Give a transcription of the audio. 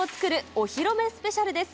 お披露目スペシャルです。